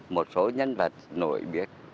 một số nhân vật nổi biệt